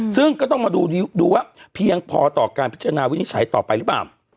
ซึ่งก็ต้องมาดูว่าเพียงพอต่อการพิจารณาวินิจฉัยต่อไปหรือเปล่า